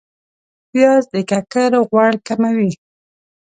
پیاز د ککر غوړ کموي